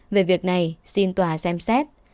về việc này xin tòa xem xét